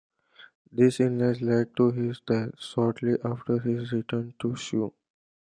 This illness led to his death, shortly after his return to Suez.